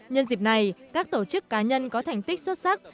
nhân dịp này các tổ chức cá nhân có thành tích xuất sắc